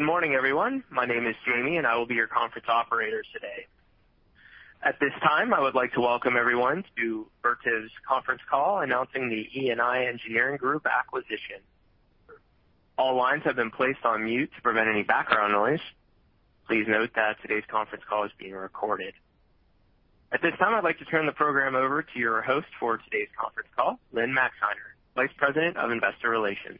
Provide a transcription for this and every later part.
Good morning, everyone. My name is Jamie and I will be your conference operator today. At this time, I would like to welcome everyone to Vertiv's conference call announcing the E&I Engineering Group acquisition. All lines have been placed on mute to prevent any background noise. Please note that today's conference call is being recorded. At this time, I'd like to turn the program over to your host for today's conference call, Lynne Maxeiner, Vice President of Investor Relations.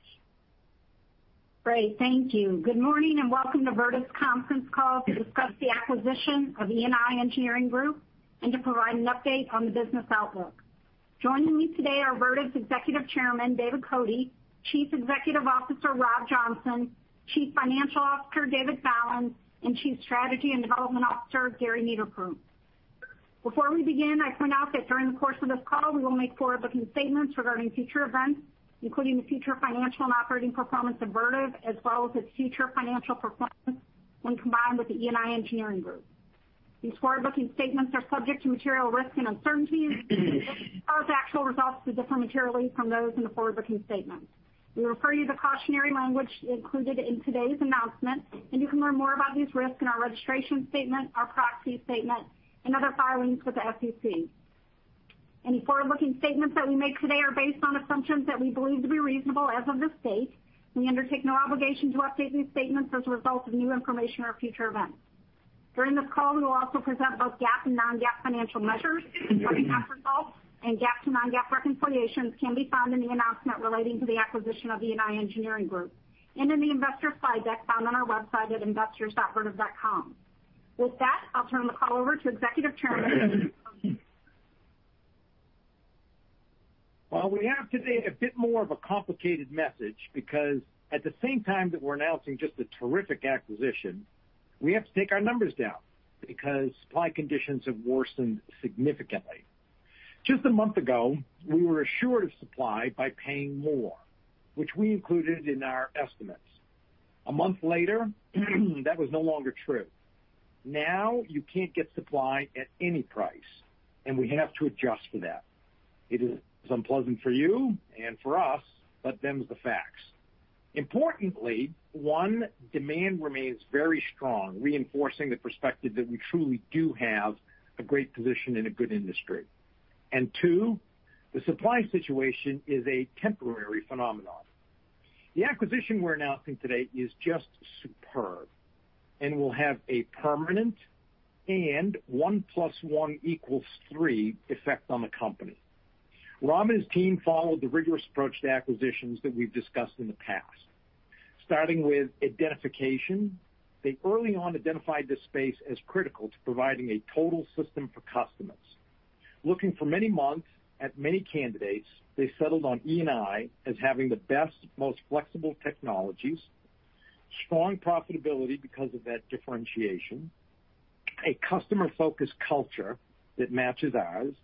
Great. Thank you. Good morning and welcome to Vertiv's conference call to discuss the acquisition of E&I Engineering Group and to provide an update on the business outlook. Joining me today are Vertiv's Executive Chairman, David Cote; Chief Executive Officer, Rob Johnson; Chief Financial Officer, David Fallon; and Chief Strategy and Development Officer, Gary Niederpruem. Before we begin, I point out that during the course of this call, we will make forward-looking statements regarding future events, including the future financial and operating performance of Vertiv, as well as its future financial performance when combined with the E&I Engineering Group. These forward-looking statements are subject to material risks and uncertainties, and actual results could differ materially from those in the forward-looking statements. We refer you to the cautionary language included in today's announcement, and you can learn more about these risks in our registration statement, our proxy statement, and other filings with the SEC. Any forward-looking statements that we make today are based on assumptions that we believe to be reasonable as of this date. We undertake no obligation to update these statements as a result of new information or future events. During this call, we will also present both GAAP and non-GAAP financial measures. Compare results and GAAP to non-GAAP reconciliations can be found in the announcement relating to the acquisition of E&I Engineering Group and in the investor slide deck found on our website at investors.vertiv.com. With that, I'll turn the call over to Executive Chairman, David Cote. Well, we have today a bit more of a complicated message because at the same time that we're announcing just a terrific acquisition, we have to take our numbers down because supply conditions have worsened significantly. Just a month ago, we were assured of supply by paying more, which we included in our estimates. A month later, that was no longer true. Now you can't get supply at any price. We have to adjust for that. It is unpleasant for you and for us, but them's the facts. Importantly, one, demand remains very strong, reinforcing the perspective that we truly do have a great position in a good industry. Two, the supply situation is a temporary phenomenon. The acquisition we're announcing today is just superb and will have a permanent and one plus one equals three effect on the company. Rob and his team followed the rigorous approach to acquisitions that we've discussed in the past. Starting with identification, they early on identified this space as critical to providing a total system for customers. Looking for many months at many candidates, they settled on E&I as having the best, most flexible technologies, strong profitability because of that differentiation, a customer-focused culture that matches ours,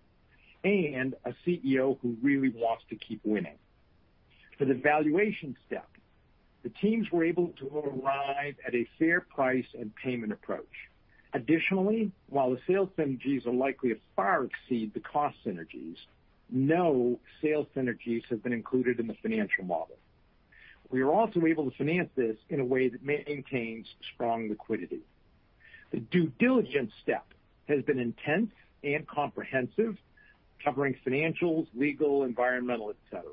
and a CEO who really wants to keep winning. For the valuation step, the teams were able to arrive at a fair price and payment approach. While the sales synergies are likely to far exceed the cost synergies, no sales synergies have been included in the financial model. We are also able to finance this in a way that maintains strong liquidity. The due diligence step has been intense and comprehensive, covering financials, legal, environmental, et cetera.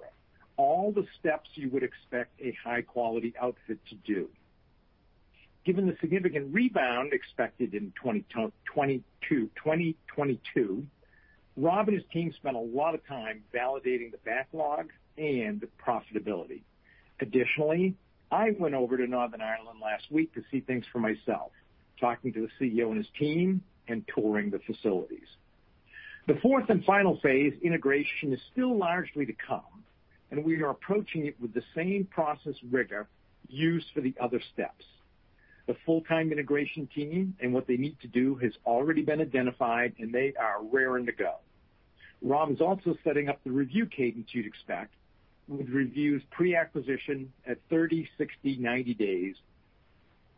All the steps you would expect a high-quality outfit to do. Given the significant rebound expected in 2022, Rob and his team spent a lot of time validating the backlog and the profitability. Additionally, I went over to Northern Ireland last week to see things for myself, talking to the CEO and his team and touring the facilities. The fourth and final phase, integration, is still largely to come, and we are approaching it with the same process rigor used for the other steps. The full-time integration team and what they need to do has already been identified, and they are raring to go. Rob is also setting up the review cadence you'd expect, with reviews pre-acquisition at 30, 60, 90 days,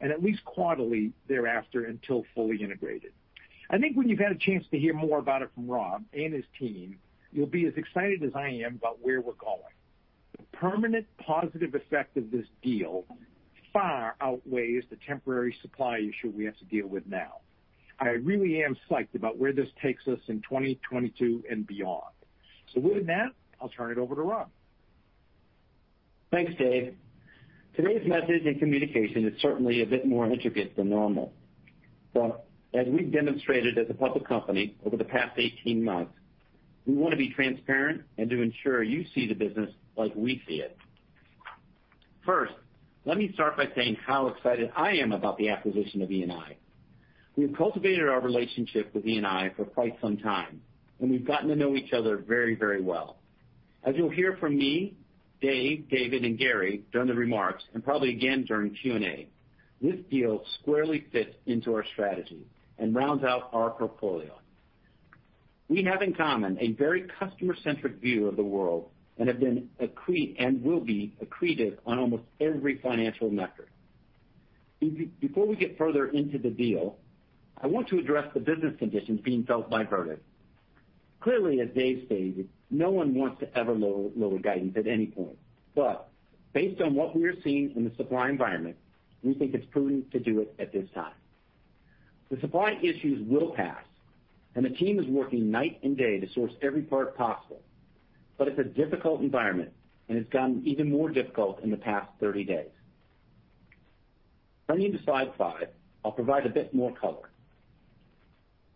and at least quarterly thereafter until fully integrated. I think when you've had a chance to hear more about it from Rob and his team, you'll be as excited as I am about where we're going. The permanent positive effect of this deal far outweighs the temporary supply issue we have to deal with now. I really am psyched about where this takes us in 2022 and beyond. With that, I'll turn it over to Rob. Thanks, Dave. Today's message and communication is certainly a bit more intricate than normal. As we've demonstrated as a public company over the past 18 months, we want to be transparent and to ensure you see the business like we see it. First, let me start by saying how excited I am about the acquisition of E&I. We have cultivated our relationship with E&I for quite some time, and we've gotten to know each other very well. As you'll hear from me, Dave, David, and Gary during the remarks, and probably again during Q&A, this deal squarely fits into our strategy and rounds out our portfolio. We have in common a very customer-centric view of the world and will be accretive on almost every financial metric. Before we get further into the deal, I want to address the business conditions being felt by Vertiv Clearly, as Dave stated, no one wants to ever lower guidance at any point. Based on what we are seeing in the supply environment, we think it's prudent to do it at this time. The supply issues will pass, and the team is working night and day to source every part possible. It's a difficult environment, and it's gotten even more difficult in the past 30 days. Turning to Slide five, I'll provide a bit more color.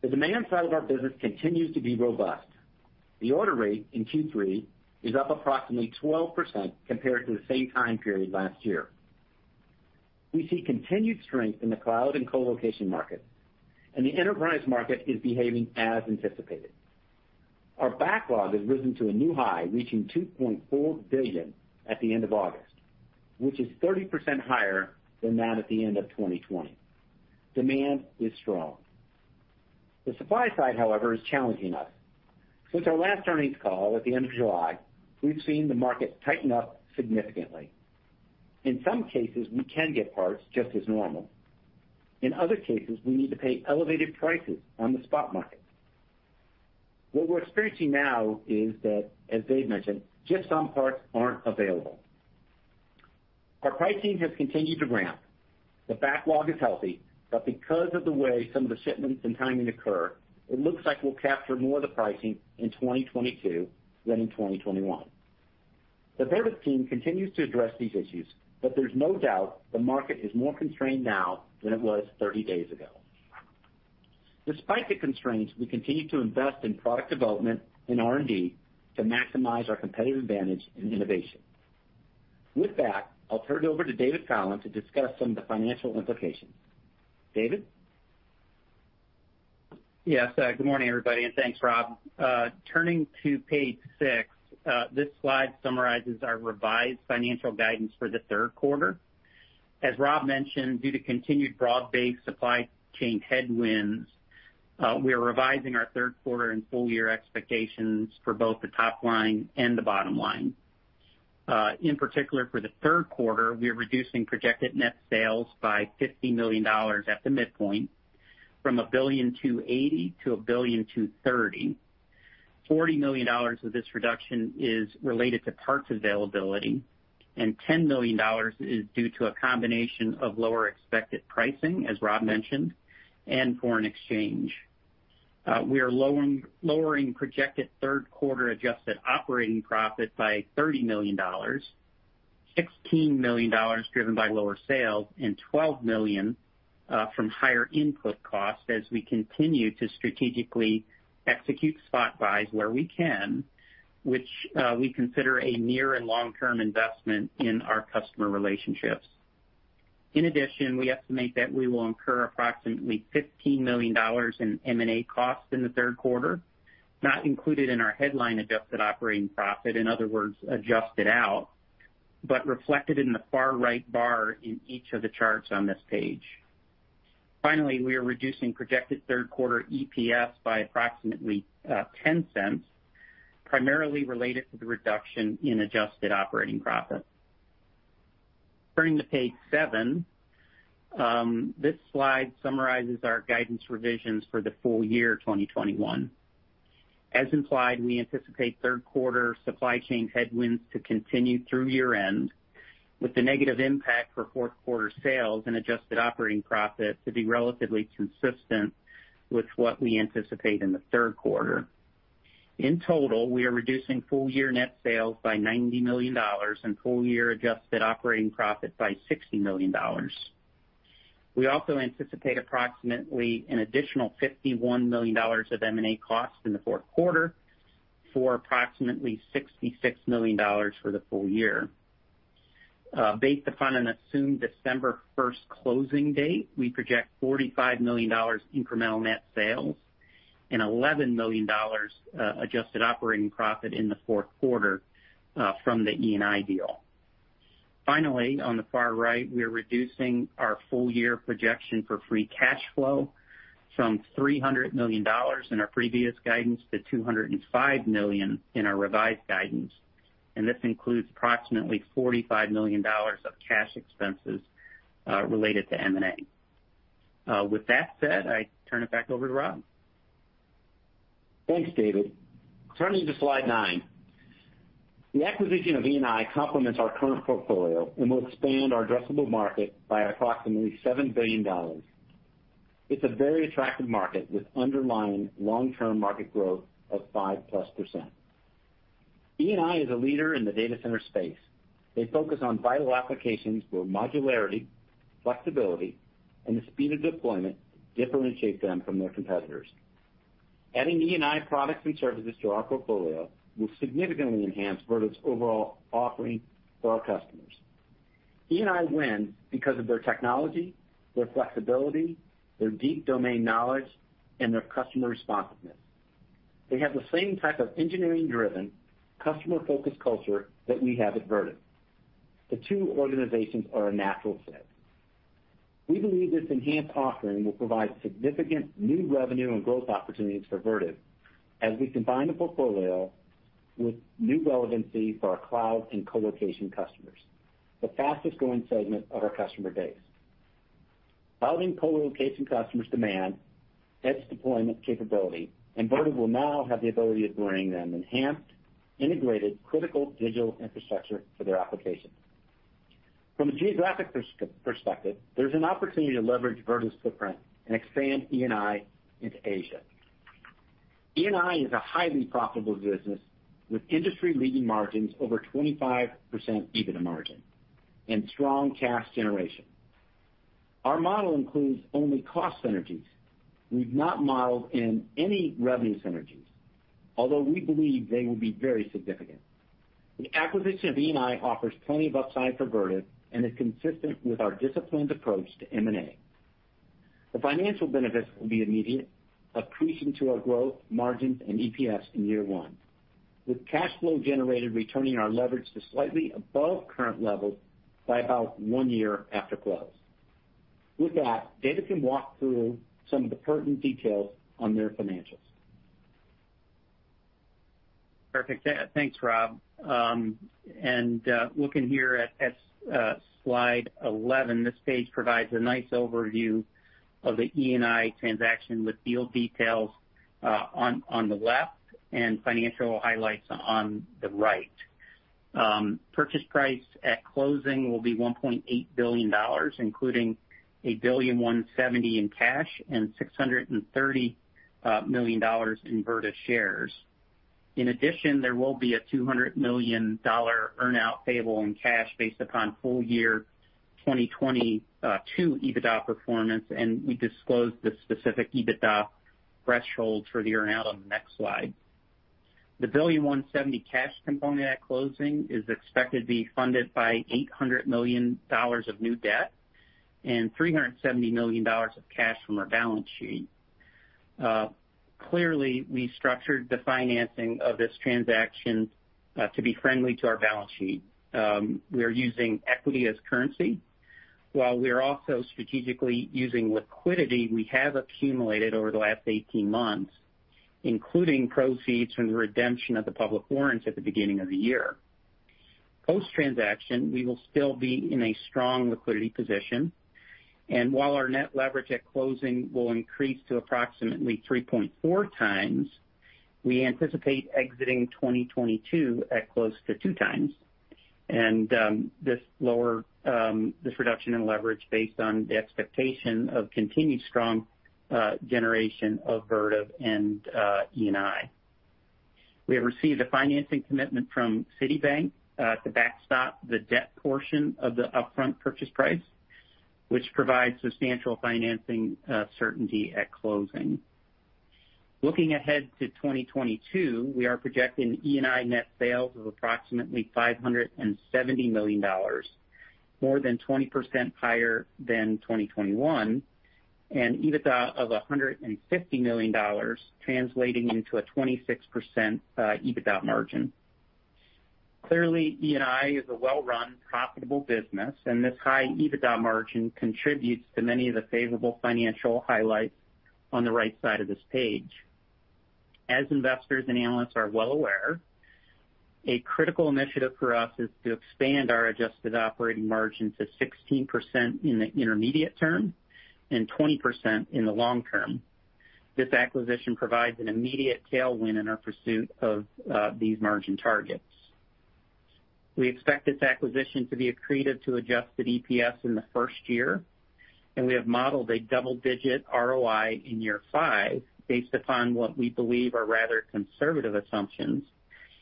The demand side of our business continues to be robust. The order rate in Q3 is up approximately 12% compared to the same time period last year. We see continued strength in the cloud and colocation market, and the enterprise market is behaving as anticipated. Our backlog has risen to a new high, reaching $2.4 billion at the end of August, which is 30% higher than that at the end of 2020. Demand is strong. The supply side, however, is challenging us. Since our last earnings call at the end of July, we've seen the market tighten up significantly. In some cases, we can get parts just as normal. In other cases, we need to pay elevated prices on the spot market. What we're experiencing now is that, as David mentioned, just some parts aren't available. Our pricing has continued to ramp. The backlog is healthy, because of the way some of the shipments and timing occur, it looks like we'll capture more of the pricing in 2022 than in 2021. The Vertiv team continues to address these issues, but there's no doubt the market is more constrained now than it was 30 days ago. Despite the constraints, we continue to invest in product development and R&D to maximize our competitive advantage and innovation. With that, I'll turn it over to David Fallon to discuss some of the financial implications. David? Yes. Good morning, everybody, and thanks, Rob. Turning to Page six. This slide summarizes our revised financial guidance for the third quarter. As Rob mentioned, due to continued broad-based supply chain headwinds, we are revising our third quarter and full-year expectations for both the top line and the bottom line. In particular, for the third quarter, we are reducing projected net sales by $50 million at the midpoint from $1.28 billion-$1.23 billion. $40 million of this reduction is related to parts availability, and $10 million is due to a combination of lower expected pricing, as Rob mentioned, and foreign exchange. We are lowering projected third quarter adjusted operating profit by $30 million, $16 million driven by lower sales and $12 million from higher input costs as we continue to strategically execute spot buys where we can, which we consider a near and long-term investment in our customer relationships. In addition, we estimate that we will incur approximately $15 million in M&A costs in the third quarter, not included in our headline adjusted operating profit, in other words, adjusted out, but reflected in the far right bar in each of the charts on this page. Finally, we are reducing projected third quarter EPS by approximately $0.10, primarily related to the reduction in adjusted operating profit. Turning to Page seven this slide summarizes our guidance revisions for the full-year 2021. As implied, we anticipate third quarter supply chain headwinds to continue through year-end with a negative impact for fourth quarter sales and adjusted operating profit to be relatively consistent with what we anticipate in the third quarter. In total, we are reducing full-year net sales by $90 million and full-year adjusted operating profit by $60 million. We also anticipate approximately an additional $51 million of M&A costs in the fourth quarter for approximately $66 million for the full-year. Based upon an assumed December 1st closing date, we project $45 million incremental net sales and $11 million adjusted operating profit in the fourth quarter from the E&I deal. Finally, on the far right, we are reducing our full-year projection for free cash flow from $300 million in our previous guidance to $205 million in our revised guidance, and this includes approximately $45 million of cash expenses related to M&A. With that said, I turn it back over to Rob. Thanks, David. Turning to Slide nine. The acquisition of E&I complements our current portfolio and will expand our addressable market by approximately $7 billion. It's a very attractive market with underlying long-term market growth of 5+%. E&I is a leader in the data center space. They focus on vital applications where modularity, flexibility, and the speed of deployment differentiate them from their competitors. Adding E&I products and services to our portfolio will significantly enhance Vertiv's overall offering for our customers. E&I wins because of their technology, their flexibility, their deep domain knowledge, and their customer responsiveness. They have the same type of engineering-driven, customer-focused culture that we have at Vertiv. The two organizations are a natural fit. We believe this enhanced offering will provide significant new revenue and growth opportunities for Vertiv as we combine the portfolio with new relevancy for our cloud and colocation customers, the fastest-growing segment of our customer base. Cloud and colocation customers demand edge deployment capability, and Vertiv will now have the ability of bringing them enhanced, integrated, critical digital infrastructure for their applications. From a geographic perspective, there's an opportunity to leverage Vertiv's footprint and expand E&I into Asia. E&I is a highly profitable business with industry-leading margins, over 25% EBITDA margin, and strong cash generation. Our model includes only cost synergies. We've not modeled in any revenue synergies, although we believe they will be very significant. The acquisition of E&I offers plenty of upside for Vertiv and is consistent with our disciplined approach to M&A. The financial benefits will be immediate, accreting to our growth, margins, and EPS in year one, with cash flow generated returning our leverage to slightly above current levels by about one year after close. With that, David can walk through some of the pertinent details on their financials. Perfect. Thanks, Rob. Looking here at Slide 11, this page provides a nice overview of the E&I transaction with deal details on the left and financial highlights on the right. Purchase price at closing will be $1.8 billion, including $1.17 billion in cash and $630 million in Vertiv shares. In addition, there will be a $200 million earn-out payable in cash based upon full-year 2022 EBITDA performance, and we disclose the specific EBITDA threshold for the earn-out on the next slide. The $1.17 billion cash component at closing is expected to be funded by $800 million of new debt and $370 million of cash from our balance sheet. Clearly, we structured the financing of this transaction to be friendly to our balance sheet. We are using equity as currency, while we are also strategically using liquidity we have accumulated over the last 18 months, including proceeds from the redemption of the public warrants at the beginning of the year. Post-transaction, we will still be in a strong liquidity position, and while our net leverage at closing will increase to approximately 3.4x, we anticipate exiting 2022 at close to 2x. This reduction in leverage based on the expectation of continued strong generation of Vertiv and E&I. We have received a financing commitment from Citibank to backstop the debt portion of the upfront purchase price, which provides substantial financing certainty at closing. Looking ahead to 2022, we are projecting E&I net sales of approximately $570 million, more than 20% higher than 2021, and EBITDA of $150 million, translating into a 26% EBITDA margin. Clearly, E&I is a well-run profitable business, and this high EBITDA margin contributes to many of the favorable financial highlights on the right side of this page. As investors and analysts are well aware, a critical initiative for us is to expand our adjusted operating margin to 16% in the intermediate term and 20% in the long term. This acquisition provides an immediate tailwind in our pursuit of these margin targets. We expect this acquisition to be accretive to adjusted EPS in the first year, and we have modeled a double-digit ROI in year five based upon what we believe are rather conservative assumptions,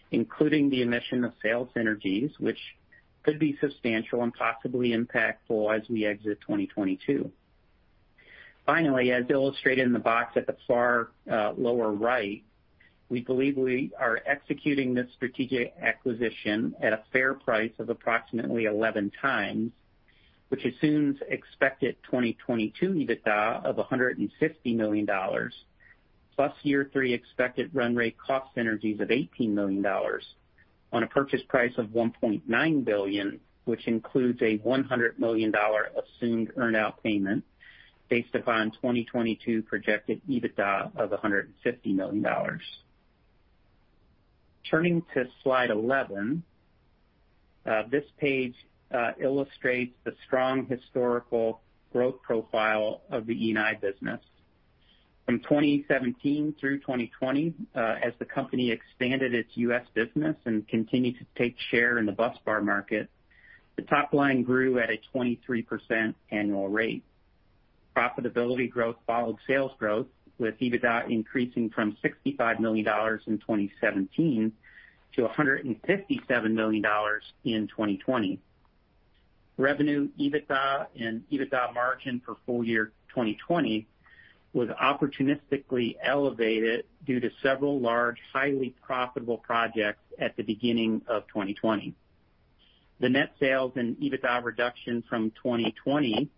including the omission of sales synergies, which could be substantial and possibly impactful as we exit 2022. Finally, as illustrated in the box at the far lower right, we believe we are executing this strategic acquisition at a fair price of approximately 11x, which assumes expected 2022 EBITDA of $150 million, plus year three expected run rate cost synergies of $18 million on a purchase price of $1.9 billion, which includes a $100 million assumed earn-out payment based upon 2022 projected EBITDA of $150 million. Turning to Slide 11. This page illustrates the strong historical growth profile of the E&I business. From 2017 through 2020, as the company expanded its U.S. business and continued to take share in the busbar market, the top line grew at a 23% annual rate. Profitability growth followed sales growth, with EBITDA increasing from $65 million in 2017 to $157 million in 2020. Revenue, EBITDA, and EBITDA margin for full-year 2020 was opportunistically elevated due to several large, highly profitable projects at the beginning of 2020. The net sales and EBITDA reduction from 2020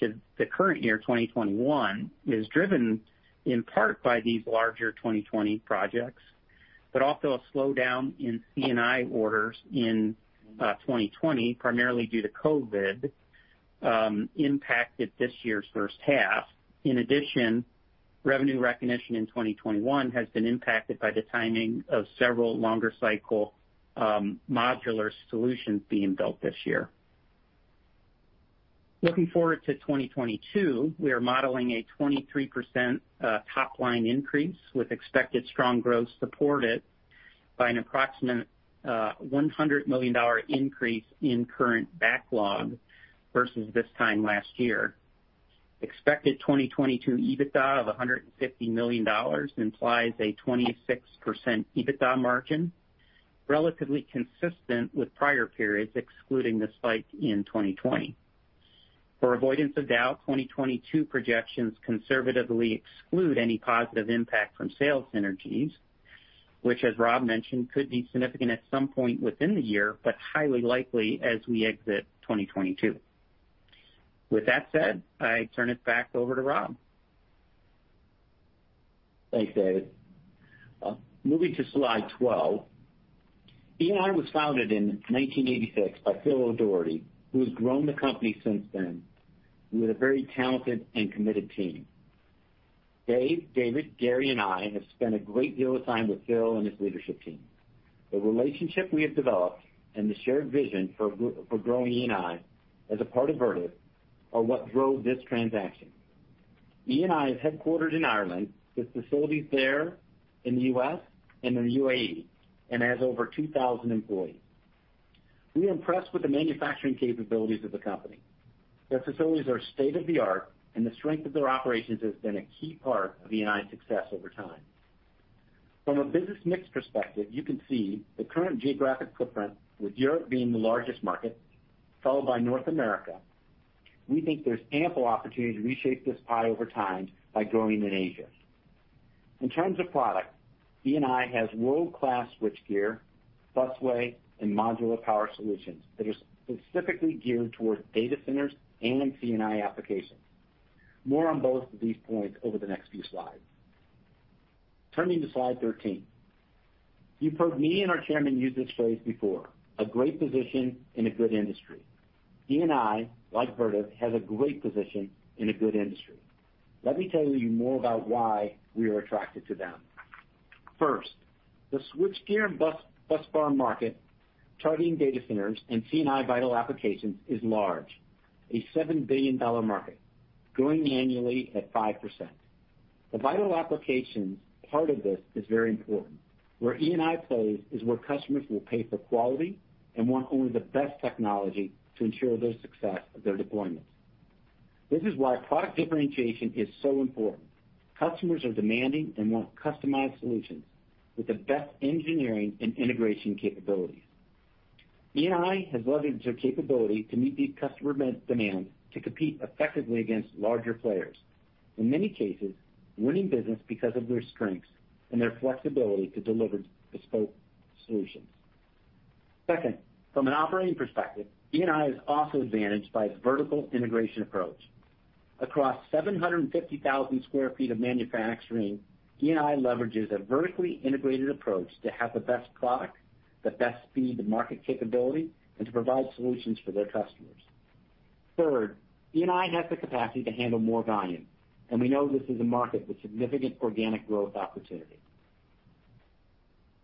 to the current year, 2021, is driven in part by these larger 2020 projects, but also a slowdown in E&I orders in 2020, primarily due to COVID, impacted this year's first half. Revenue recognition in 2021 has been impacted by the timing of several longer cycle modular solutions being built this year. Looking forward to 2022, we are modeling a 23% top-line increase with expected strong growth supported by an approximate $100 million increase in current backlog versus this time last year. Expected 2022 EBITDA of $150 million implies a 26% EBITDA margin, relatively consistent with prior periods, excluding the spike in 2020. For avoidance of doubt, 2022 projections conservatively exclude any positive impact from sales synergies, which, as Rob mentioned, could be significant at some point within the year, but highly likely as we exit 2022. With that said, I turn it back over to Rob. Thanks, David. Moving to slide 12. E&I was founded in 1986 by Philip O'Doherty, who has grown the company since then with a very talented and committed team. David Cote, David Fallon, Gary Niederpruem, and I have spent a great deal of time with Philip and his leadership team. The relationship we have developed and the shared vision for growing E&I as a part of Vertiv are what drove this transaction. E&I is headquartered in Ireland with facilities there in the U.S. and in the UAE and has over 2,000 employees. We are impressed with the manufacturing capabilities of the company. Their facilities are state-of-the-art, and the strength of their operations has been a key part of E&I's success over time. From a business mix perspective, you can see the current geographic footprint, with Europe being the largest market, followed by North America. We think there's ample opportunity to reshape this pie over time by growing in Asia. In terms of product, E&I has world-class switchgear, busway, and modular power solutions that are specifically geared towards data centers and C&I applications. More on both of these points over the next few slides. Turning to Slide 13. You've heard me and our chairman use this phrase before, a great position in a good industry. E&I, like Vertiv, has a great position in a good industry. Let me tell you more about why we are attracted to them. First, the switchgear and busbar market targeting data centers and C&I vital applications is large, a $7 billion market growing annually at 5%. The vital applications part of this is very important. Where E&I plays is where customers will pay for quality and want only the best technology to ensure the success of their deployments. This is why product differentiation is so important. Customers are demanding and want customized solutions with the best engineering and integration capabilities. E&I has leveraged their capability to meet these customer demands to compete effectively against larger players, in many cases, winning business because of their strengths and their flexibility to deliver bespoke solutions. Second, from an operating perspective, E&I is also advantaged by its vertical integration approach. Across 750,000 square feet of manufacturing, E&I leverages a vertically integrated approach to have the best product, the best speed-to-market capability, and to provide solutions for their customers. Third, E&I has the capacity to handle more volume. We know this is a market with significant organic growth opportunity.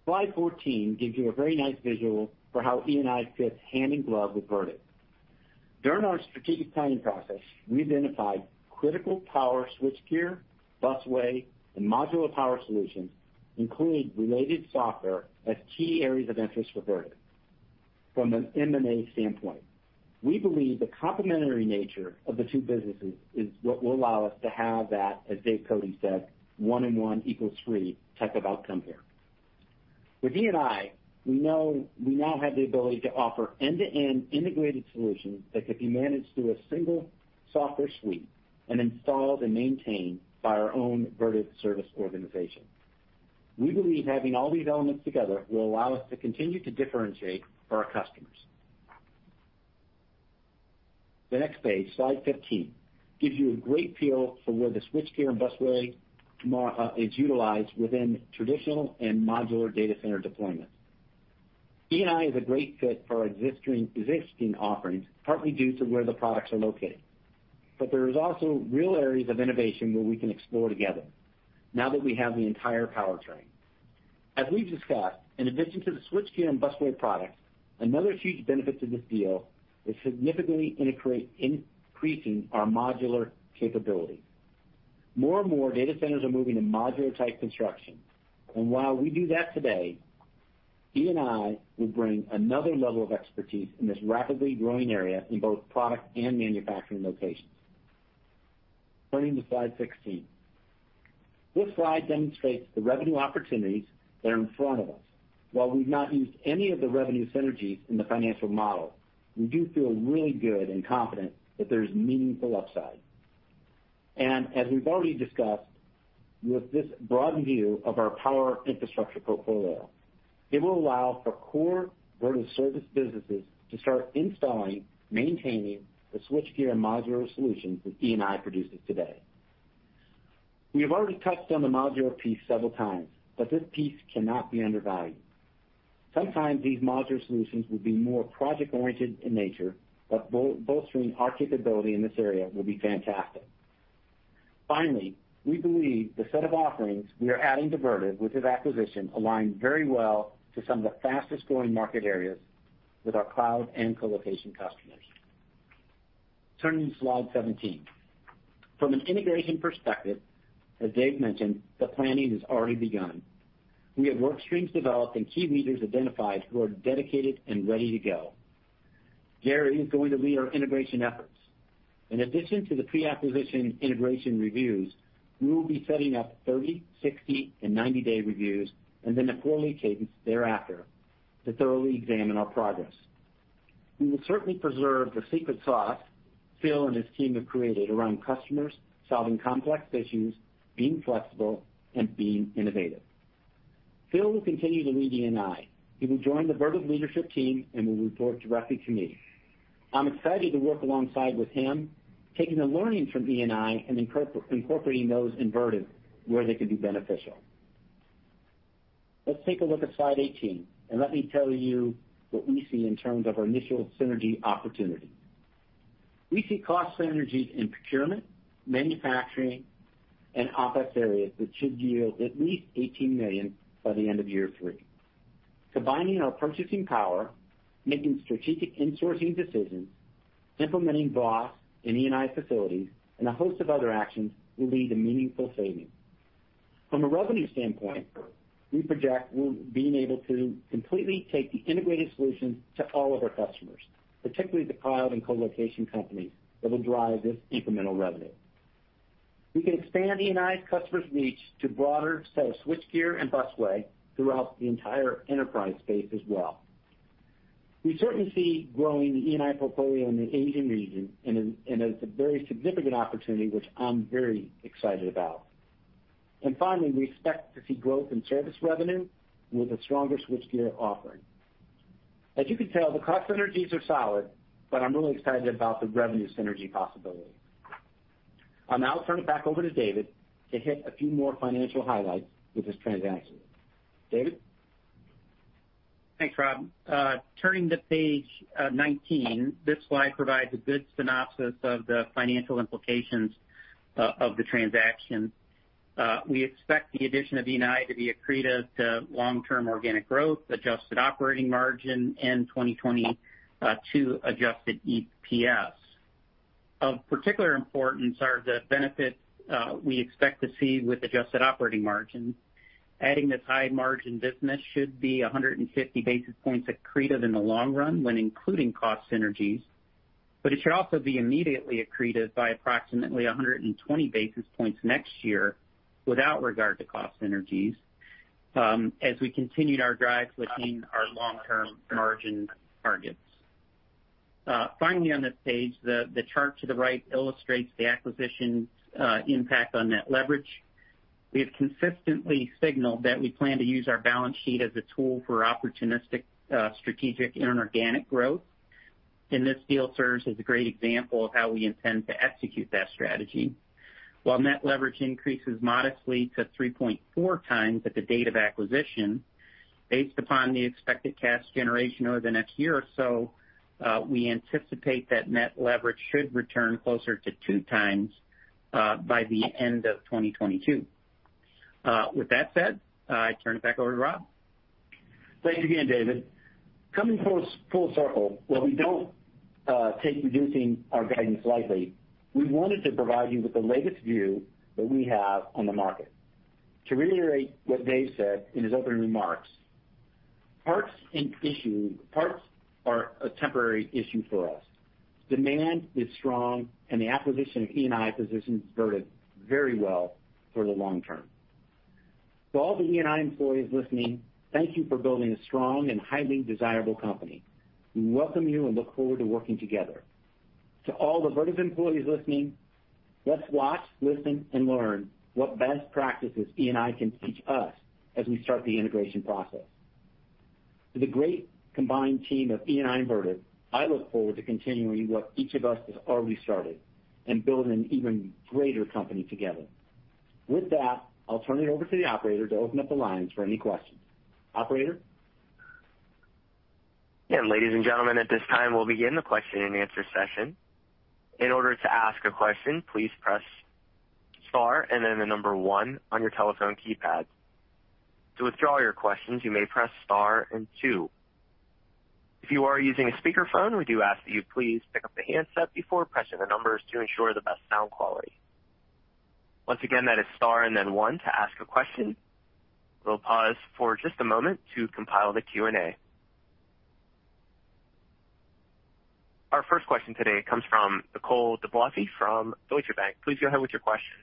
Slide 14 gives you a very nice visual for how E&I fits hand in glove with Vertiv. During our strategic planning process, we identified critical power switchgear, busway, and modular power solutions, including related software, as key areas of interest for Vertiv from an M&A standpoint. We believe the complementary nature of the two businesses is what will allow us to have that, as David Cote said, one and one equals three type of outcome here. With E&I, we now have the ability to offer end-to-end integrated solutions that could be managed through a single software suite and installed and maintained by our own Vertiv service organization. We believe having all these elements together will allow us to continue to differentiate for our customers. The next page, Slide 15, gives you a great feel for where the switchgear and busway is utilized within traditional and modular data center deployments. E&I is a great fit for our existing offerings, partly due to where the products are located. There is also real areas of innovation where we can explore together now that we have the entire powertrain. As we've discussed, in addition to the switchgear and busway products, another huge benefit to this deal is significantly increasing our modular capability. More and more data centers are moving to modular-type construction, and while we do that today, E&I will bring another level of expertise in this rapidly growing area in both product and manufacturing locations. Turning to Slide 16. This slide demonstrates the revenue opportunities that are in front of us. While we've not used any of the revenue synergies in the financial model, we do feel really good and confident that there's meaningful upside. As we've already discussed, with this broadened view of our power infrastructure portfolio, it will allow for core Vertiv service businesses to start installing, maintaining the switchgear and modular solutions that E&I produces today. We have already touched on the modular piece several times, this piece cannot be undervalued. Sometimes these modular solutions will be more project-oriented in nature, bolstering our capability in this area will be fantastic. Finally, we believe the set of offerings we are adding to Vertiv with this acquisition align very well to some of the fastest-growing market areas with our cloud and colocation customers. Turning to Slide 17. From an integration perspective, as Dave mentioned, the planning has already begun. We have work streams developed and key leaders identified who are dedicated and ready to go. Gary is going to lead our integration efforts. In addition to the pre-acquisition integration reviews, we will be setting up 30, 60, and 90-day reviews, and then a quarterly cadence thereafter to thoroughly examine our progress. We will certainly preserve the secret sauce Phil and his team have created around customers, solving complex issues, being flexible, and being innovative. Phil will continue to lead E&I. He will join the Vertiv leadership team and will report directly to me. I'm excited to work alongside with him, taking the learnings from E&I and incorporating those in Vertiv where they could be beneficial. Let's take a look at Slide 18, let me tell you what we see in terms of our initial synergy opportunities. We see cost synergies in procurement, manufacturing, and office areas that should yield at least $18 million by the end of year three. Combining our purchasing power, making strategic insourcing decisions, implementing VOS in E&I facilities, and a host of other actions will lead to meaningful savings. From a revenue standpoint, we project being able to completely take the integrated solutions to all of our customers, particularly the cloud and colocation companies that will drive this incremental revenue. We can expand E&I's customers' reach to a broader set of switchgear and busway throughout the entire enterprise space as well. We certainly see growing the E&I portfolio in the Asian region and it's a very significant opportunity, which I'm very excited about. Finally, we expect to see growth in service revenue with a stronger switchgear offering. As you can tell, the cost synergies are solid, but I'm really excited about the revenue synergy possibility. I'll now turn it back over to David to hit a few more financial highlights with this transaction. David? Thanks, Rob. Turning to Page 19, this slide provides a good synopsis of the financial implications of the transaction. We expect the addition of E&I to be accretive to long-term organic growth, adjusted operating margin in 2022, adjusted EPS. Of particular importance are the benefits we expect to see with adjusted operating margins. Adding this high-margin business should be 150 basis points accretive in the long run when including cost synergies, but it should also be immediately accretive by approximately 120 basis points next year without regard to cost synergies, as we continued our drive within our long-term margin targets. Finally, on this page, the chart to the right illustrates the acquisition impact on net leverage. We have consistently signaled that we plan to use our balance sheet as a tool for opportunistic strategic and organic growth, and this deal serves as a great example of how we intend to execute that strategy. While net leverage increases modestly to 3.4x at the date of acquisition, based upon the expected cash generation over the next year or so, we anticipate that net leverage should return closer to 2x by the end of 2022. With that said, I turn it back over to Rob. Thanks again, David. Coming full circle, while we don't take reducing our guidance lightly, we wanted to provide you with the latest view that we have on the market. To reiterate what Dave said in his opening remarks, parts are a temporary issue for us. Demand is strong, and the acquisition of E&I positions Vertiv very well for the long term. To all the E&I employees listening, thank you for building a strong and highly desirable company. We welcome you and look forward to working together. To all the Vertiv employees listening, let's watch, listen, and learn what best practices E&I can teach us as we start the integration process. To the great combined team of E&I and Vertiv, I look forward to continuing what each of us has already started and building an even greater company together. With that, I'll turn it over to the operator to open up the lines for any questions. Operator? Yeah, ladies and gentlemen, at this time we'll begin the question-and-answer session. In order to ask a question, please press star and then the number one on your telephone keypad. To withdraw your questions, you may press star and two. If you are using a speakerphone, we do ask that you please pick up the handset before pressing the numbers to ensure the best sound quality. Once again, that is star and then one to ask a question. We'll pause for just a moment to compile the Q&A. Our first question today comes from Nicole DeBlase from Deutsche Bank. Please go ahead with your question.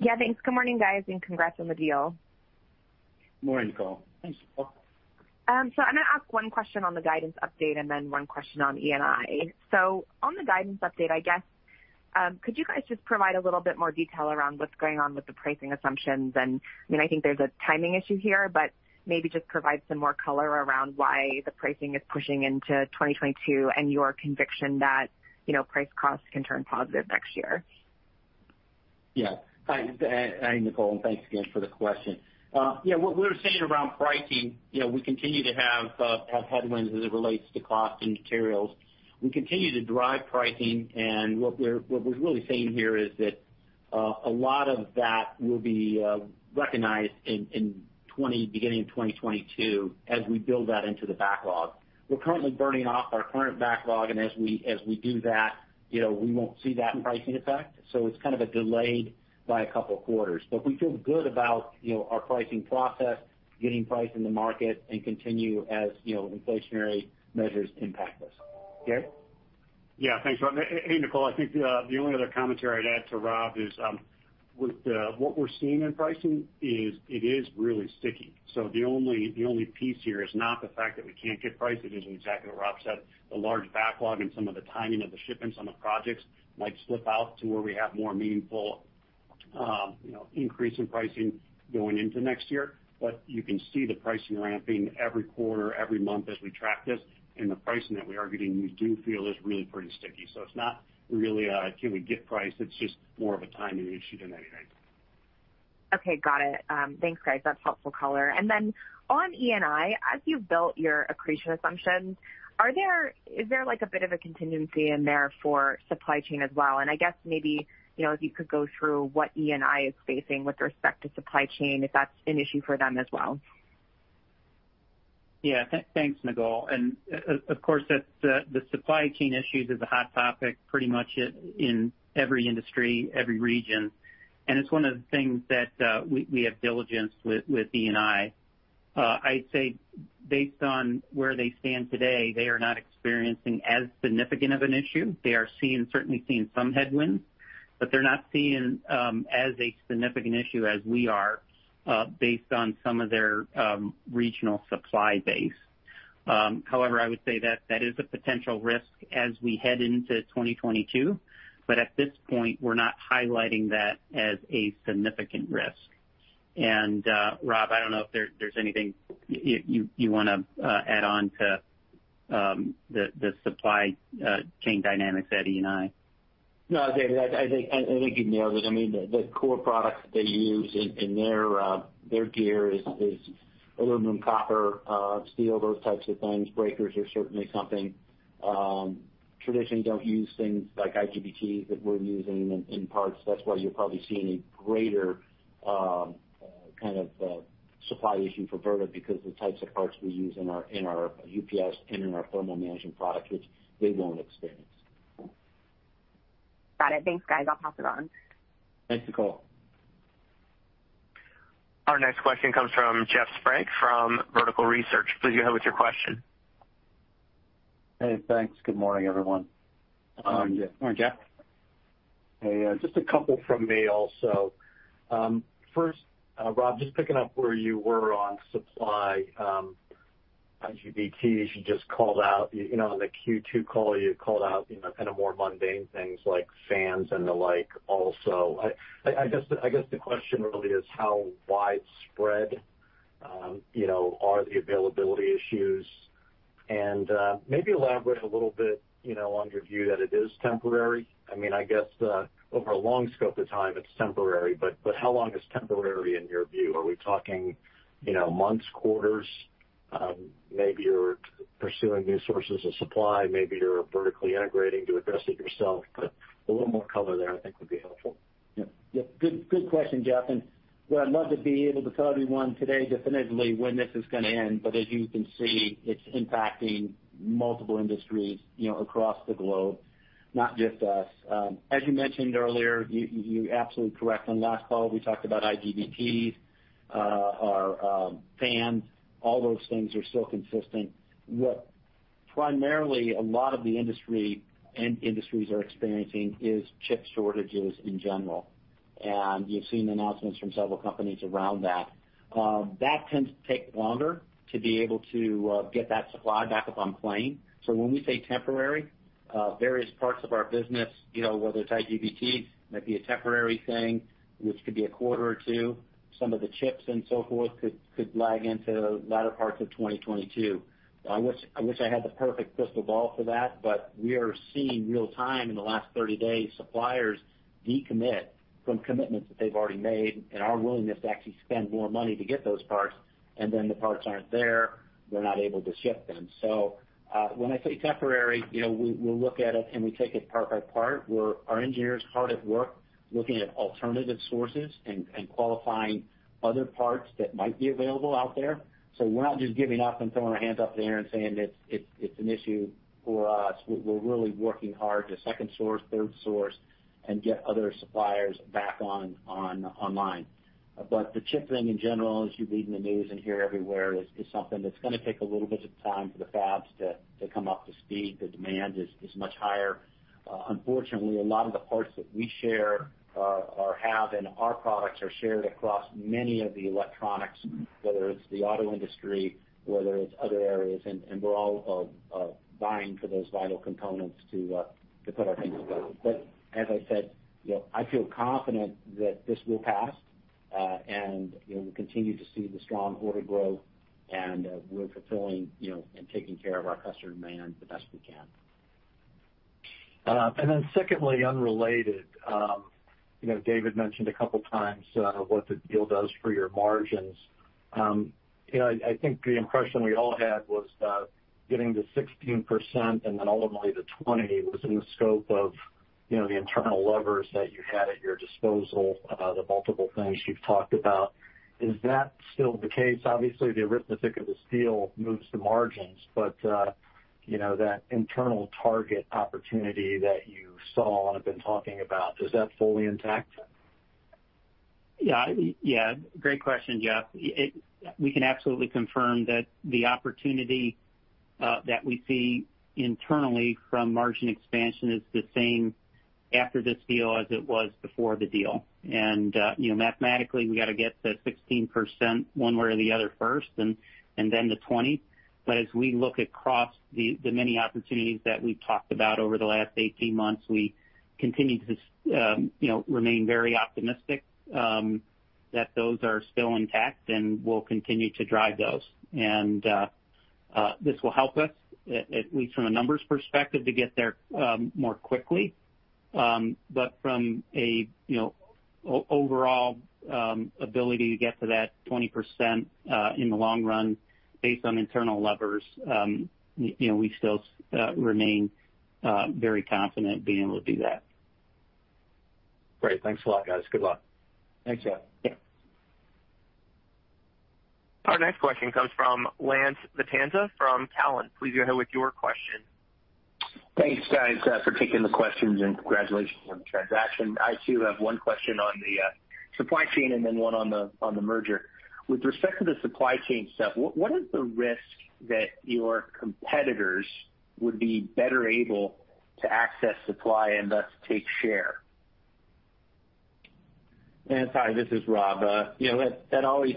Yeah, thanks. Good morning, guys, and congrats on the deal. Good morning, Nicole. Thanks, Nicole. I'm going to ask one question on the guidance update and then one question on E&I. On the guidance update, I guess, could you guys just provide a little bit more detail around what's going on with the pricing assumptions? I think there's a timing issue here, but maybe just provide some more color around why the pricing is pushing into 2022 and your conviction that price costs can turn positive next year. Hi, Nicole, and thanks again for the question. What we were saying around pricing, we continue to have headwinds as it relates to cost and materials. We continue to drive pricing, and what we're really saying here is that a lot of that will be recognized in beginning of 2022 as we build that into the backlog. We're currently burning off our current backlog, and as we do that, we won't see that in pricing effect. It's kind of a delayed by two quarters. We feel good about our pricing process, getting price in the market and continue as inflationary measures impact us. Gary? Yeah, thanks, Rob. Hey, Nicole. I think the only other commentary I'd add to Rob is, with what we're seeing in pricing is it is really sticky. The only piece here is not the fact that we can't get price. It is exactly what Rob said, the large backlog and some of the timing of the shipments on the projects might slip out to where we have more meaningful increase in pricing going into next year. You can see the pricing ramping every quarter, every month as we track this, and the pricing that we are getting, we do feel is really pretty sticky. It's not really a can we get price? It's just more of a timing issue than anything. Okay, got it. Thanks, guys. That's helpful color. On E&I, as you've built your accretion assumptions, is there like a bit of a contingency in there for supply chain as well? I guess maybe, if you could go through what E&I is facing with respect to supply chain, if that's an issue for them as well. Yeah. Thanks, Nicole. Of course, the supply chain issues is a hot topic pretty much in every industry, every region, and it's one of the things that we have diligence with E&I. I'd say based on where they stand today, they are not experiencing as significant of an issue. They are certainly seeing some headwinds, but they're not seeing as a significant issue as we are based on some of their regional supply base. However, I would say that is a potential risk as we head into 2022. At this point, we're not highlighting that as a significant risk. Rob, I don't know if there's anything you want to add on to the supply chain dynamics at E&I. No, David, I think you nailed it. I mean, the core products that they use in their gear is aluminum, copper, steel, those types of things. Breakers are certainly something. Traditionally, don't use things like IGBTs that we're using in parts. That's why you're probably seeing a greater kind of supply issue for Vertiv, because the types of parts we use in our UPS and in our thermal management products, which they won't experience. Got it. Thanks, guys. I'll pass it on. Thanks, Nicole. Our next question comes from Jeffrey Sprague from Vertical Research. Please go ahead with your question. Hey, thanks. Good morning, everyone. Morning, Jeffrey. Hey, just a couple from me also. First, Rob, just picking up where you were on supply, IGBTs, you just called out. On the Q2 call, you called out kind of more mundane things like fans and the like also. I guess the question really is how widespread are the availability issues? Maybe elaborate a little bit on your view that it is temporary. I guess over a long scope of time, it's temporary, but how long is temporary in your view? Are we talking months, quarters? Maybe you're pursuing new sources of supply, maybe you're vertically integrating to address it yourself, but a little more color there I think would be helpful. Good question, Jeff. I'd love to be able to tell everyone today definitively when this is going to end. As you can see, it's impacting multiple industries across the globe, not just us. As you mentioned earlier, you're absolutely correct. On last call, we talked about IGBTs, our fans, all those things are still consistent. What primarily a lot of the industry and industries are experiencing is chip shortages in general. You've seen announcements from several companies around that. That tends to take longer to be able to get that supply back up on plan. When we say temporary, various parts of our business, whether it's IGBTs, might be a temporary thing, which could be a quarter or two. Some of the chips and so forth could lag into latter parts of 2022. I wish I had the perfect crystal ball for that. We are seeing real time in the last 30 days, suppliers decommit from commitments that they've already made and our willingness to actually spend more money to get those parts, and then the parts aren't there, they're not able to ship them. When I say temporary, we'll look at it and we take it part by part, where our engineers hard at work looking at alternative sources and qualifying other parts that might be available out there. We're not just giving up and throwing our hands up in the air and saying it's an issue for us. We're really working hard to second source, third source, and get other suppliers back online. The chip thing in general, as you read in the news and hear everywhere, is something that's going to take a little bit of time for the fabs to come up to speed. The demand is much higher. Unfortunately, a lot of the parts that we share or have in our products are shared across many of the electronics, whether it's the auto industry, whether it's other areas, and we're all vying for those vital components to put our things together. As I said, I feel confident that this will pass, and we continue to see the strong order growth, and we're fulfilling and taking care of our customer demand the best we can. Secondly, unrelated. David mentioned a couple times what the deal does for your margins. I think the impression we all had was getting to 16% and then ultimately to 20% was in the scope of the internal levers that you had at your disposal, the multiple things you've talked about. Is that still the case? Obviously, the arithmetic of this deal moves the margins, but that internal target opportunity that you saw and have been talking about, is that fully intact? Yeah. Great question, Jeff. We can absolutely confirm that the opportunity that we see internally from margin expansion is the same after this deal as it was before the deal. Mathematically, we got to get to 16% one way or the other first, then to 20%. As we look across the many opportunities that we've talked about over the last 18 months, we continue to remain very optimistic that those are still intact and will continue to drive those. This will help us, at least from a numbers perspective, to get there more quickly. From an overall ability to get to that 20% in the long run based on internal levers, we still remain very confident being able to do that. Great. Thanks a lot, guys. Good luck. Thanks, Jeff. Yeah. Our next question comes from Lance Vitanza from Cowen. Please go ahead with your question. Thanks, guys, for taking the questions and congratulations on the transaction. I, too, have one question on the supply chain and then one on the merger. With respect to the supply chain stuff, what is the risk that your competitors would be better able to access supply and thus take share? Lance, hi, this is Rob. That always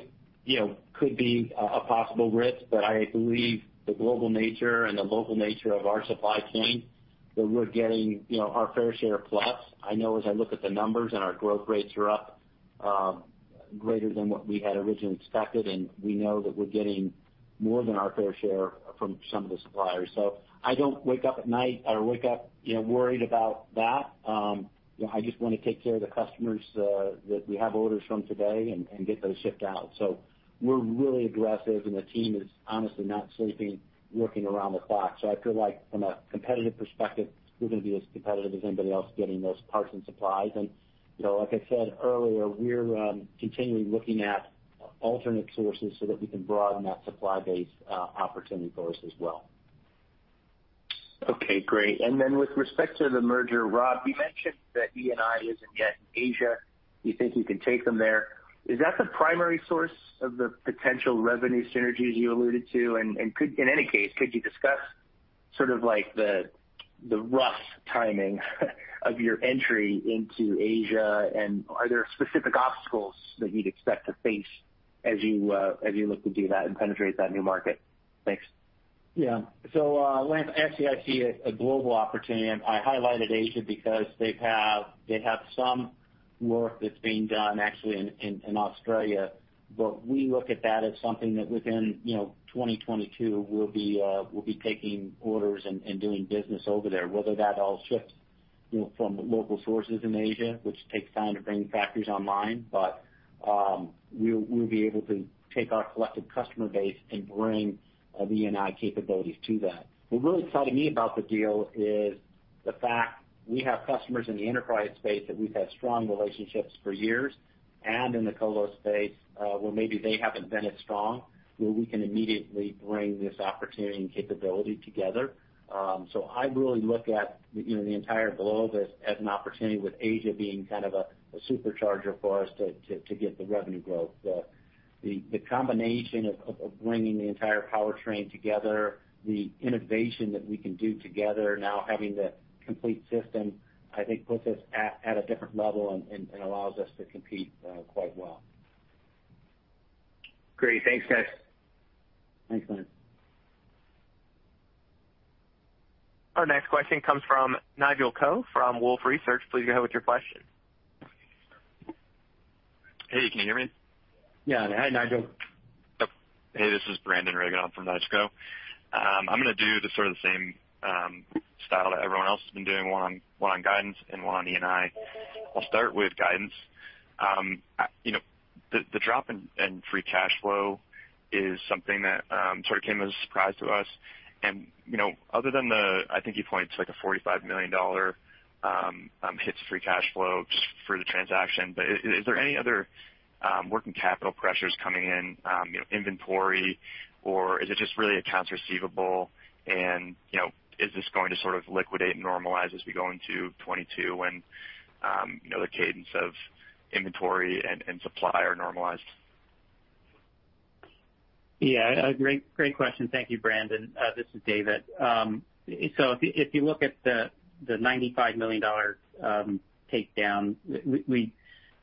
could be a possible risk, but I believe the global nature and the local nature of our supply chain, that we're getting our fair share plus. I know as I look at the numbers and our growth rates are up greater than what we had originally expected, and we know that we're getting more than our fair share from some of the suppliers. I don't wake up at night or wake up worried about that. I just want to take care of the customers that we have orders from today and get those shipped out. We're really aggressive, and the team is honestly not sleeping, working around the clock. I feel like from a competitive perspective, we're going to be as competitive as anybody else getting those parts and supplies. Like I said earlier, we're continually looking at alternate sources so that we can broaden that supply base opportunity for us as well. Okay, great. With respect to the merger, Rob, you mentioned that E&I isn't yet in Asia. You think you can take them there. Is that the primary source of the potential revenue synergies you alluded to? In any case, could you discuss sort of the rough timing of your entry into Asia? Are there specific obstacles that you'd expect to face as you look to do that and penetrate that new market? Thanks. Yeah. Lance, actually, I see a global opportunity. I highlighted Asia because they have some work that's being done actually in Australia. We look at that as something that within 2022, we'll be taking orders and doing business over there. Whether that all shifts from local sources in Asia, which takes time to bring factories online. We'll be able to take our collective customer base and bring the E&I capabilities to that. What really excited me about the deal is the fact we have customers in the enterprise space that we've had strong relationships for years, and in the colo space where maybe they haven't been as strong, where we can immediately bring this opportunity and capability together. I really look at the entire globe as an opportunity with Asia being kind of a supercharger for us to get the revenue growth. The combination of bringing the entire powertrain together, the innovation that we can do together now having the complete system, I think puts us at a different level and allows us to compete quite well. Great. Thanks, guys. Thanks, Lance. Our next question comes from Nigel Coe from Wolfe Research. Please go ahead with your question. Hey, can you hear me? Yeah. Hi, Nigel. Yep. Hey, this is Brandon Regan from Wolfe Research. I'm going to do the sort of same style that everyone else has been doing, one on guidance and one on E&I. I'll start with guidance. The drop in free cash flow is something that sort of came as a surprise to us. Other than the, I think you point to like a $45 million hit to free cash flow just for the transaction. Is there any other working capital pressures coming in inventory, or is it just really accounts receivable? Is this going to sort of liquidate and normalize as we go into 2022 when the cadence of inventory and supply are normalized? Great question. Thank you, Brandon. This is David. If you look at the $95 million takedown, we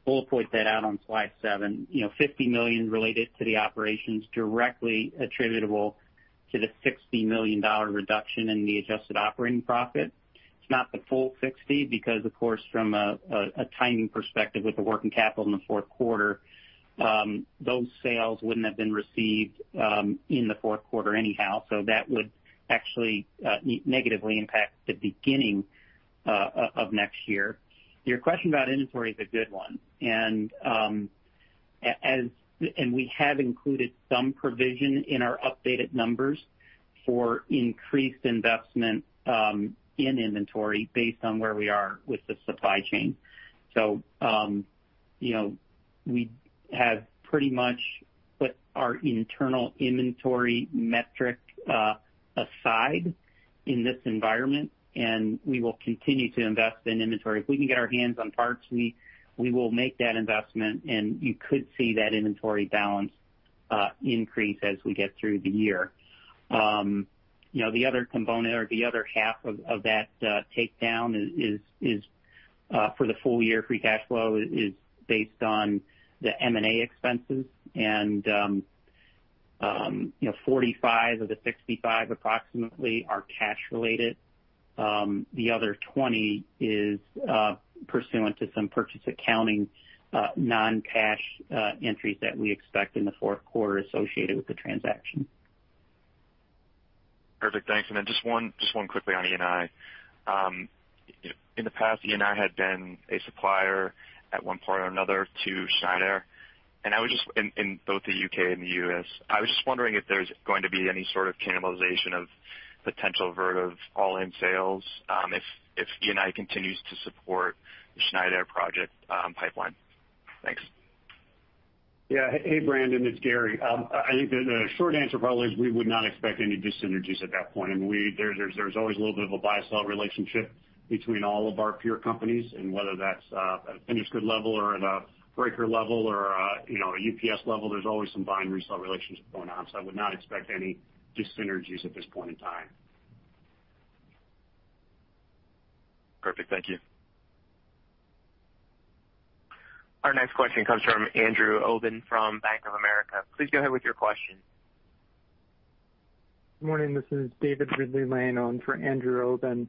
bullet point that out on Slide seven. $50 million related to the operations directly attributable to the $60 million reduction in the adjusted operating profit. It's not the full $60 because, of course, from a timing perspective with the working capital in the fourth quarter, those sales wouldn't have been received in the fourth quarter anyhow. That would actually negatively impact the beginning of next year. Your question about inventory is a good one. We have included some provision in our updated numbers for increased investment in inventory based on where we are with the supply chain. We have pretty much put our internal inventory metric aside in this environment, and we will continue to invest in inventory. If we can get our hands on parts, we will make that investment, you could see that inventory balance increase as we get through the year. The other component or the other half of that takedown is for the full-year free cash flow is based on the M&A expenses. $45 of the $65 approximately are cash related. The other $20 is pursuant to some purchase accounting non-cash entries that we expect in the fourth quarter associated with the transaction. Perfect. Thanks. Then just one quickly on E&I. In the past, E&I had been a supplier at one point or another to Schneider in both the U.K. and the U.S. I was just wondering if there's going to be any sort of cannibalization of potential Vertiv all-in sales, if E&I continues to support the Schneider project pipeline. Thanks. Yeah. Hey, Brandon Regan, it's Gary. I think the short answer probably is we would not expect any dyssynergies at that point. There's always a little bit of a buy-sell relationship between all of our peer companies, and whether that's at a finished good level or at a breaker level or a UPS level, there's always some buy and resell relationship going on. I would not expect any dyssynergies at this point in time. Perfect. Thank you. Our next question comes from Andrew Obin from Bank of America. Please go ahead with your question. Good morning. This is David Ridley-Lane on for Andrew Obin.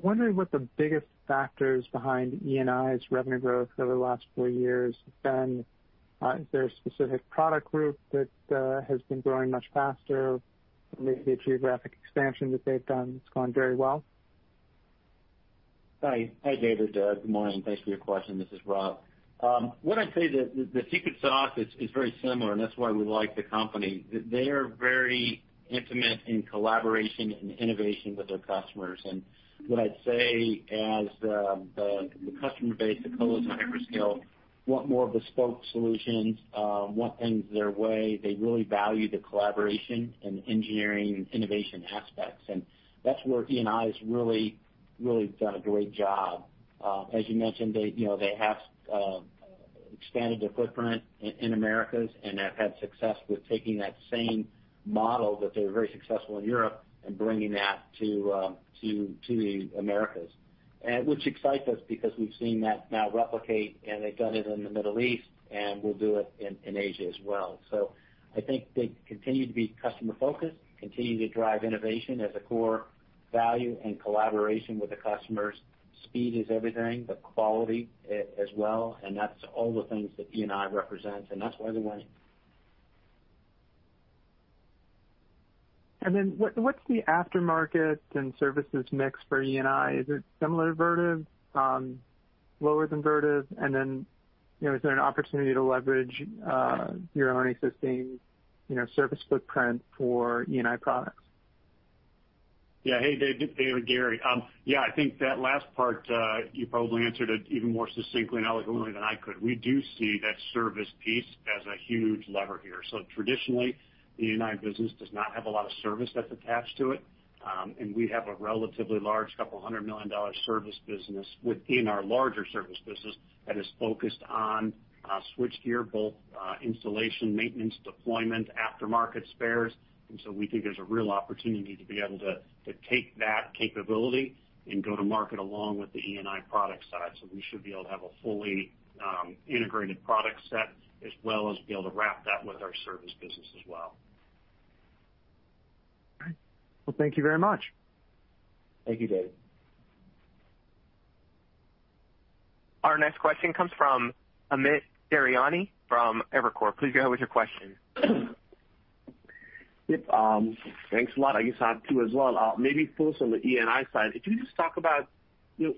Wondering what the biggest factors behind E&I's revenue growth over the last four years have been? Is there a specific product group that has been growing much faster or maybe a geographic expansion that they've done that's gone very well? Hi, David. Good morning. Thanks for your question. This is Rob. What I'd say that the secret sauce is very similar, and that's why we like the company. They are very intimate in collaboration and innovation with their customers. What I'd say as the customer base, the co-los and hyperscale want more bespoke solutions, want things their way. They really value the collaboration and engineering innovation aspects. That's where E&I has really done a great job. As you mentioned, they have expanded their footprint in Americas and have had success with taking that same model that they were very successful in Europe and bringing that to the Americas, which excites us because we've seen that now replicate, and they've done it in the Middle East, and will do it in Asia as well. I think they continue to be customer-focused, continue to drive innovation as a core value and collaboration with the customers. Speed is everything, the quality as well, and that's all the things that E&I represents, and that's why they're winning. What's the aftermarket and services mix for E&I? Is it similar to Vertiv? Lower than Vertiv? Is there an opportunity to leverage your own existing service footprint for E&I products? Yeah. Hey, David. Gary. Yeah, I think that last part, you probably answered it even more succinctly and eloquently than I could. We do see that service piece as a huge lever here. Traditionally, the E&I business does not have a lot of service that's attached to it. We have a relatively large couple of hundred million dollar service business within our larger service business that is focused on switchgear, bulk, installation, maintenance, deployment, aftermarket spares. We think there's a real opportunity to be able to take that capability and go to market along with the E&I product side. We should be able to have a fully integrated product set as well as be able to wrap that with our service business as well. Well, thank you very much. Thank you, David. Our next question comes from Amit Daryanani from Evercore. Please go ahead with your question. Yep. Thanks a lot. I guess I have two as well. Maybe first on the E&I side, could you just talk about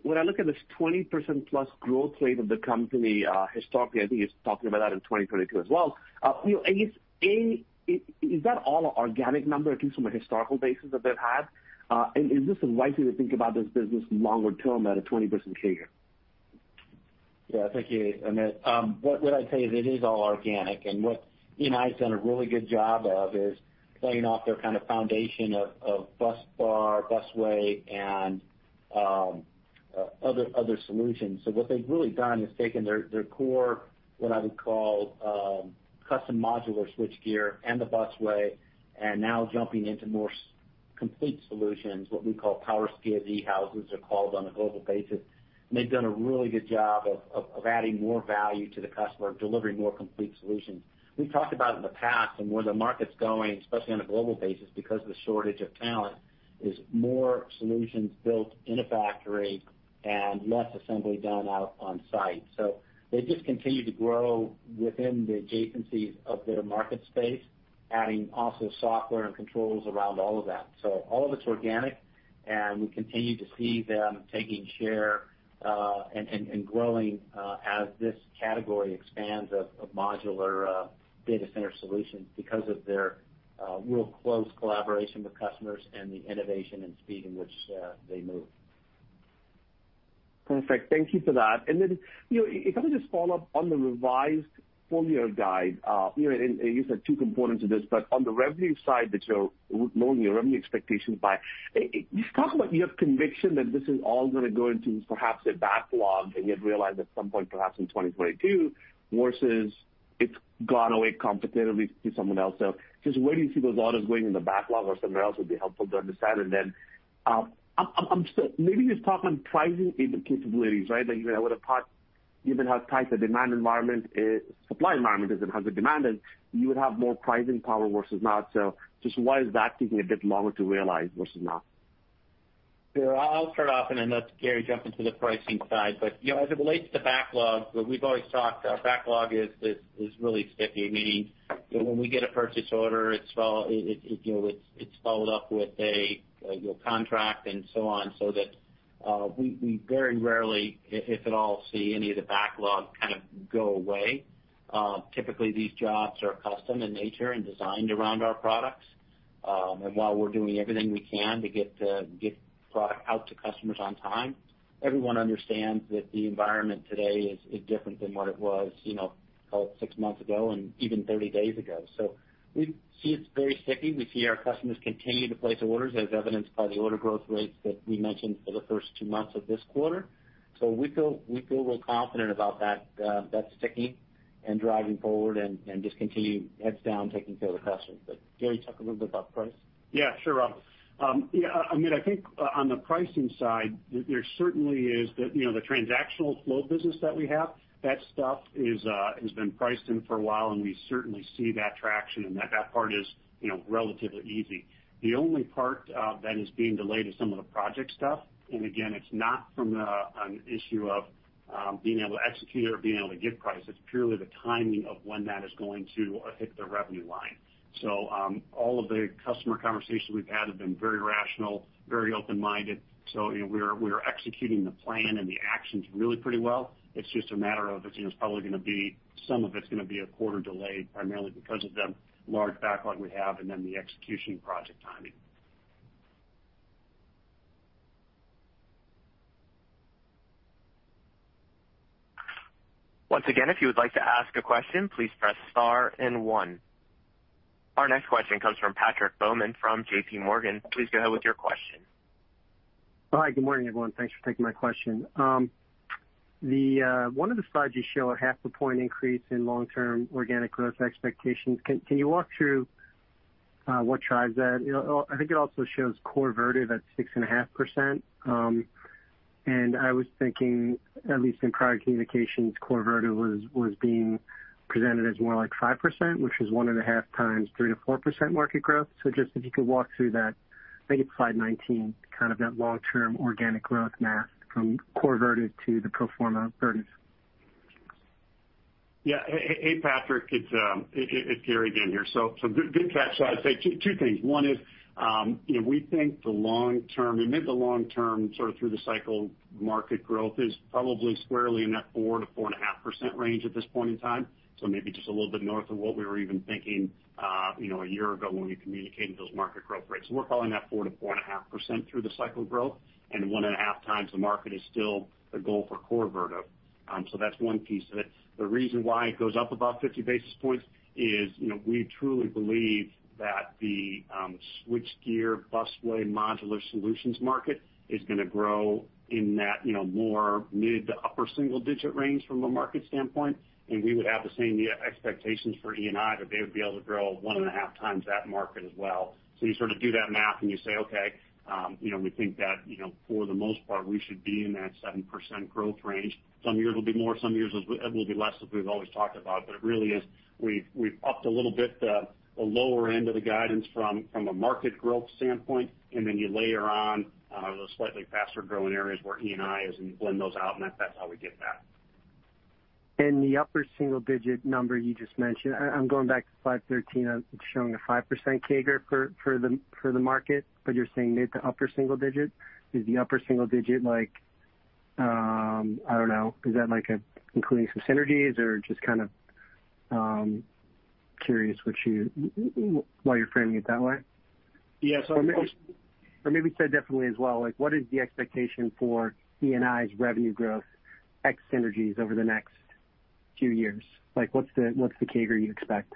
when I look at this 20%+ growth rate of the company historically, I think he's talking about that in 2022 as well. Is that all an organic number at least from a historical basis that they've had? Is this a right way to think about this business longer term at a 20% CAGR? Yeah. Thank you, Amit Daryanani. What I'd say is it is all organic, and what E&I's done a really good job of is playing off their kind of foundation of busbar, busway, and other solutions. What they've really done is taken their core, what I would call custom modular switchgear and the Busway. Complete solutions, what we call power skid houses, are called on a global basis. They've done a really good job of adding more value to the customer, delivering more complete solutions. We've talked about in the past and where the market's going, especially on a global basis, because of the shortage of talent, is more solutions built in a factory and less assembly done out on site. They just continue to grow within the adjacencies of their market space, adding also software and controls around all of that. All of it's organic, and we continue to see them taking share, and growing, as this category expands of modular data center solutions because of their real close collaboration with customers and the innovation and speed in which they move. Perfect. Thank you for that. If I could just follow up on the revised full-year guide. You said two components of this, but on the revenue side that you're lowering your revenue expectations by, you talk about you have conviction that this is all going to go into perhaps a backlog and you'd realize at some point perhaps in 2022, versus it's gone away competitively to someone else. Where do you see those orders going in the backlog or somewhere else would be helpful to understand. Maybe just talk on pricing capabilities, right? That even how tight the supply environment is and how the demand is, you would have more pricing power versus not. Why is that taking a bit longer to realize versus not? Sure. I'll start off, and then let Gary jump into the pricing side. As it relates to backlog, we've always talked, our backlog is really sticky. Meaning, when we get a purchase order, it's followed up with a contract and so on, so that we very rarely, if at all, see any of the backlog go away. Typically, these jobs are custom in nature and designed around our products. While we're doing everything we can to get product out to customers on time, everyone understands that the environment today is different than what it was six months ago and even 30 days ago. We see it's very sticky. We see our customers continue to place orders as evidenced by the order growth rates that we mentioned for the first two months of this quarter. We feel real confident about that sticking and driving forward and just continue heads down taking care of the customers. Gary, talk a little bit about price. Yeah, sure, Rob. I think on the pricing side, there certainly is the transactional flow business that we have. That stuff has been priced in for a while, and we certainly see that traction and that part is relatively easy. The only part that is being delayed is some of the project stuff. Again, it's not from an issue of being able to execute or being able to give price. It's purely the timing of when that is going to hit the revenue line. All of the customer conversations we've had have been very rational, very open-minded. We are executing the plan and the actions really pretty well. It's just a matter of it's probably going to be, some of it's going to be a quarter delayed, primarily because of the large backlog we have and then the execution project timing. Once again, if you would like to ask a question, please press star and one. Our next question comes from Patrick Baumann from JPMorgan. Please go ahead with your question. Hi. Good morning, everyone. Thanks for taking my question. One of the slides you show a 0.5 point increase in long-term organic growth expectations. Can you walk through what drives that? I think it also shows core Vertiv at 6.5%. I was thinking, at least in prior communications, core Vertiv was being presented as more like 5%, which is 1.5 times 3%-4% market growth. Just if you could walk through that. I think it's slide 19, kind of that long-term organic growth math from core Vertiv to the pro forma Vertiv. Hey, Patrick. It's Gary again here. Good catch. I'd say two things. One is, we think the long term, mid to long term sort of through the cycle market growth is probably squarely in that 4%-4.5% range at this point in time. Maybe just a little bit north of what we were even thinking a year ago when we communicated those market growth rates. We're calling that 4%-4.5% through the cycle growth, and 1.5x the market is still the goal for core Vertiv. That's one piece of it. The reason why it goes up about 50 basis points is, we truly believe that the switchgear busway modular solutions market is going to grow in that more mid to upper single digit range from a market standpoint, and we would have the same expectations for E&I, that they would be able to grow 1.5 times that market as well. You sort of do that math and you say, okay, we think that, for the most part, we should be in that 7% growth range. Some years it'll be more, some years it will be less, as we've always talked about. It really is, we've upped a little bit the lower end of the guidance from a market growth standpoint, and then you layer on those slightly faster growing areas where E&I is, and you blend those out, and that's how we get that. The upper single-digit number you just mentioned, I'm going back to Slide 13, it's showing a 5% CAGR for the market, but you're saying mid to upper single-digit. Is the upper single-digit like, I don't know. Is that including some synergies or just kind of curious why you're framing it that way? Yeah, so- Maybe said differently as well, what is the expectation for E&I's revenue growth ex synergies over the next few years? What's the CAGR you expect?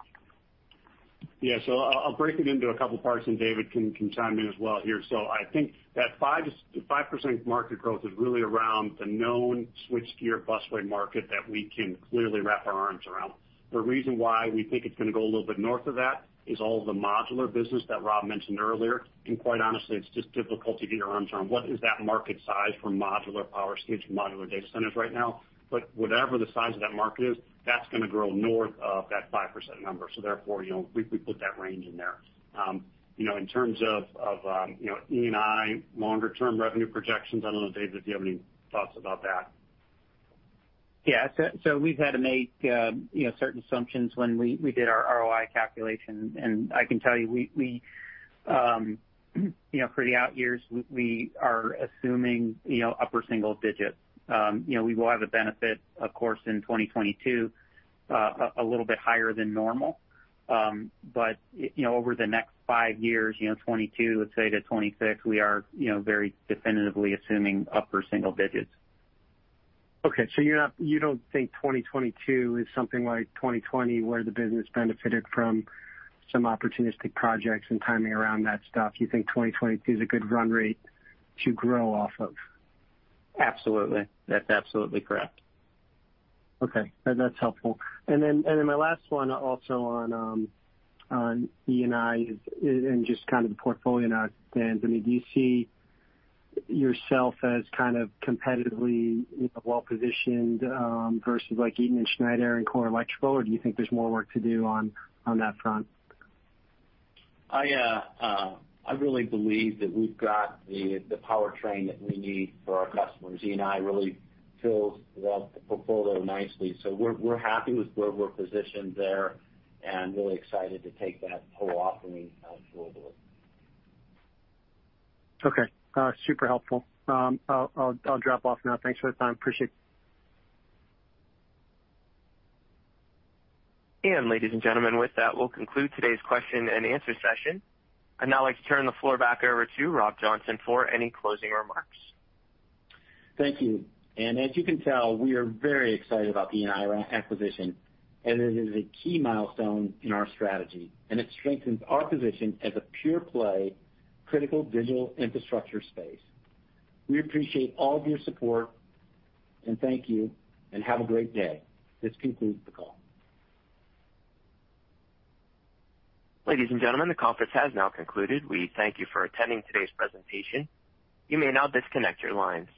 Yeah. I'll break it into a couple parts, and David can chime in as well here. I think that 5% market growth is really around the known switchgear, busway market that we can clearly wrap our arms around. The reason why we think it's going to go a little bit north of that is all of the modular business that Rob mentioned earlier. Quite honestly, it's just difficult to get our arms around what is that market size for modular power skids, modular data centers right now. Whatever the size of that market is, that's going to grow north of that 5% number. Therefore, we put that range in there. In terms of E&I longer-term revenue projections, I don't know, David, do you have any thoughts about that? Yeah. We've had to make certain assumptions when we did our ROI calculation. I can tell you, for the out years, we are assuming upper single-digits. We will have a benefit, of course, in 2022, a little bit higher than normal. Over the next five years, 2022-2026, we are very definitively assuming upper single-digits. You don't think 2022 is something like 2020, where the business benefited from some opportunistic projects and timing around that stuff? You think 2022 is a good run rate to grow off of? Absolutely. That's absolutely correct. Okay. That's helpful. Then my last one also on E&I and just kind of the portfolio knock stands. I mean, do you see yourself as kind of competitively well-positioned versus like Eaton and Schneider and Core Electrical, or do you think there's more work to do on that front? I really believe that we've got the powertrain that we need for our customers. E&I really fills the portfolio nicely. We're happy with where we're positioned there and really excited to take that whole offering globally. Okay. Super helpful. I'll drop off now. Thanks for the time. Appreciate it. Ladies and gentlemen, with that, we'll conclude today's question and answer session. I'd now like to turn the floor back over to Rob Johnson for any closing remarks. Thank you. As you can tell, we are very excited about the E&I acquisition. It is a key milestone in our strategy. It strengthens our position as a pure play critical digital infrastructure space. We appreciate all of your support. Thank you. Have a great day. This concludes the call. Ladies and gentlemen, the conference has now concluded. We thank you for attending today's presentation. You may now disconnect your lines.